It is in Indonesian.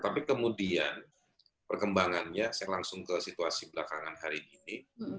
tapi kemudian perkembangannya saya langsung ke situasi belakangan hari ini